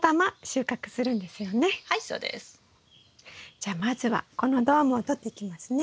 じゃあまずはこのドームを取っていきますね。